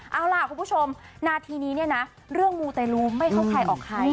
เอาล่ะคุณผู้ชมนาทีนี้เนี่ยนะเรื่องมูเตลูไม่เข้าใครออกใคร